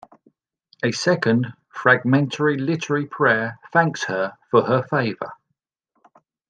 A second, fragmentary literary prayer thanks her for her favor.